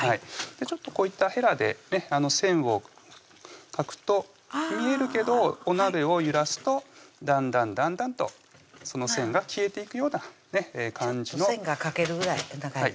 こういったヘラで線を描くと見えるけどお鍋を揺らすとだんだんだんだんとその線が消えていくような感じの線が描けるぐらいな感じ